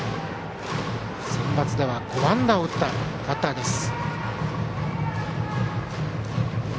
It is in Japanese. センバツでは５安打を打ったバッターです。